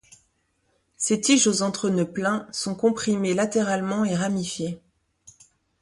Ces tiges aux entrenœuds pleins sont comprimées latéralement et ramifiées.